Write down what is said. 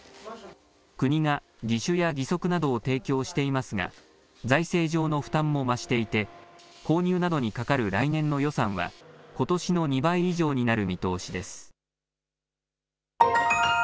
国が義手や義足などを提供していますが財政上の負担も増していて購入などにかかる来年の予算はことしの２倍以上になる見通しです。